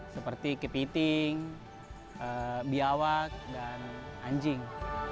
seperti kepiting biawak dan anjing